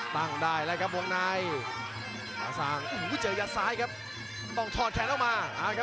ตั้งได้แล้วครับวงในอาสางโอ้โหเจอยัดซ้ายครับต้องถอดแขนออกมา